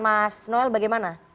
mas noel bagaimana